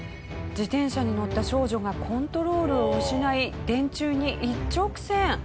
自転車に乗った少女がコントロールを失い電柱に一直線。